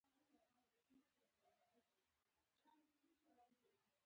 سپوږمۍ د ماشومانو کیسو کې یادېږي